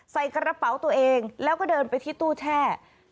ใส่กระเป๋าตัวเองแล้วก็เดินไปที่ตู้แช่